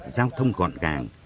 giao thông gọn gàng